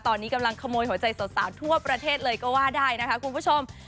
ตอนนี้กำลังขโมยหัวใจสาวทั่วประเทศเลยก็ว่าได้นะคะคุณผู้ชม